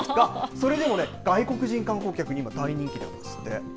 それでも外国人観光客に今、大人気なんですって。